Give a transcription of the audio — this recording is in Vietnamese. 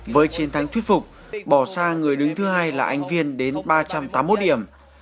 với chiến thắng thuyết phục bỏ xa người đứng thứ hai là anh viên đến ba trăm tám mươi một điểm